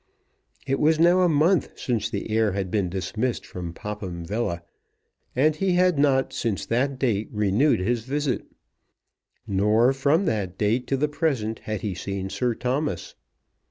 It was now a month since the heir had been dismissed from Popham Villa, and he had not since that date renewed his visit. Nor from that day to the present had he seen Sir Thomas.